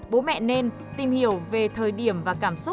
bố mẹ nên tìm hiểu về thời điểm và cảm xúc của con